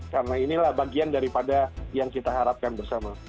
karena inilah bagian daripada yang kita harapkan bersama